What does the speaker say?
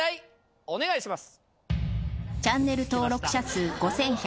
お願いします。